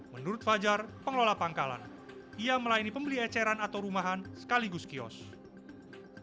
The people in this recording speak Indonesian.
menurut fajar pengelola pangkalan ia melayani pembeli eceran atau rumahan sekaligus kiosk